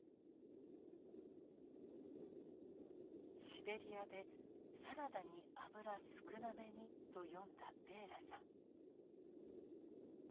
シベリアで「サラダに油少なめに」と詠んだベーラさん。